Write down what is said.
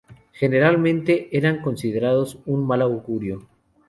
Generalmente eran considerados un mal augurio.